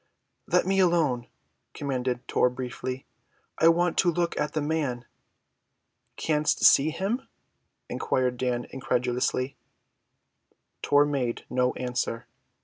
"Let me alone," commanded Tor briefly. "I want to look at the man." "Canst see him?" inquired Dan incredulously. Tor made no answer.